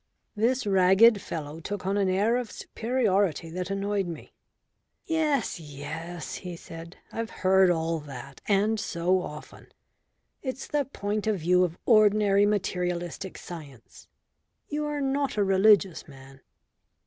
This ragged fellow took on an air of superiority that annoyed me. "Yes, yes," he said. "I've heard all that and so often. It's the point of view of ordinary materialistic science. You are not a religious man."